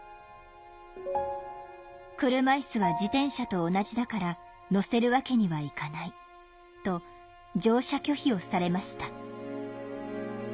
「車イスは自転車と同じだから乗せるわけにはいかないと乗車拒否をされました」。